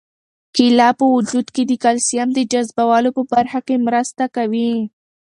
کیله په وجود کې د کلسیم د جذبولو په برخه کې مرسته کوي.